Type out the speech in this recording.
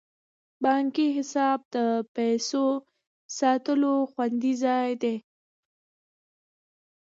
بانکي حساب د پیسو ساتلو خوندي ځای دی.